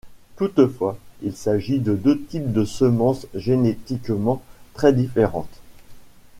Toutefois il s'agit de deux types de semences génétiquement très différentes.